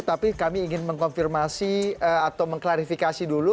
tapi kami ingin mengkonfirmasi atau mengklarifikasi dulu